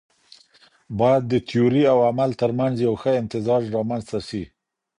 بايد د تيوري او عمل ترمنځ يو ښه امتزاج رامنځته سي.